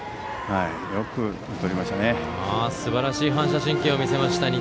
よくとりましたね。